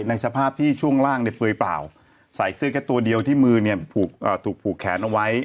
ในสภาพที่ช่วงล่างเนี่ยเปลือยเปล่าใส่เสื้อแค่ตัวเดียวที่มือเนี่ยถูกผูกแขนเอาไว้